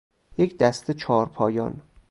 یک دسته چارپایان